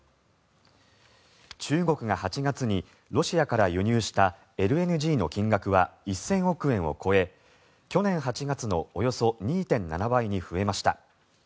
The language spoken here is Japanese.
中国が８月にロシアから輸入したＬＮＧの金額は１０００億円を超え去年８月のおよそ２．７倍に増えました。